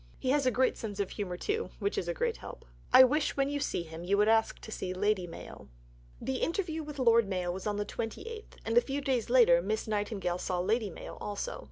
He has a great sense of humour, too, which is a great help. I wish, when you see him, you would ask to see Lady Mayo. The interview with Lord Mayo was on the 28th, and a few days later Miss Nightingale saw Lady Mayo also.